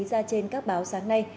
ra trên các báo sáng nay